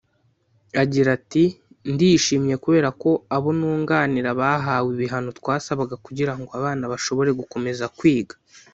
Agira ati “Ndishimye kubera ko abo nunganira bahawe ibihano twasabaga kugira ngo abana bashobore gukomeza kwiga